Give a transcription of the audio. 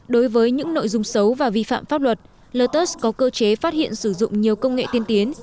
đối với những nội dung xấu và vi phạm pháp luật lotus có cơ chế phát hiện sử dụng nhiều công nghệ tiên tiến